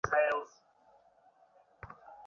গ্রামে যেন একটি উৎসব পড়িয়াছে।